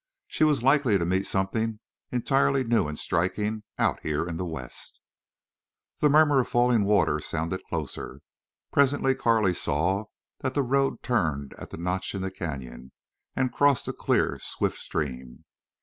She was likely to meet something, entirely new and striking out here in the West. The murmur of falling water sounded closer. Presently Carley saw that the road turned at the notch in the canyon, and crossed a clear swift stream.